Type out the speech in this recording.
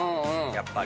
やっぱり。